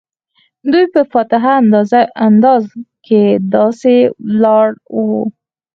دوی په فاتحانه انداز کې داسې ولاړ وو.